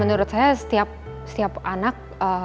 menurut saya setiap anak